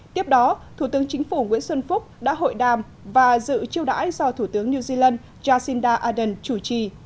tiếp đó thủ tướng chính phủ nguyễn xuân phúc đã hội đàm và dự chiêu đãi do thủ tướng new zealand jacinda ardern chủ trì